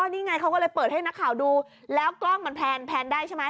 นี่ไงเขาก็เลยเปิดให้นักข่าวดูแล้วกล้องมันแพลนได้ใช่ไหม